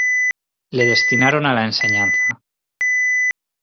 Le destinaron a la enseñanza.